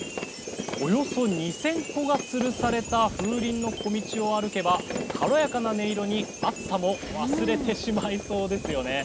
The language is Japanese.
およそ２０００個がつるされた風鈴の小道を歩けば軽やかな音色に、暑さも忘れてしまいそうですよね。